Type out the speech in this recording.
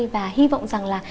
và hy vọng rằng là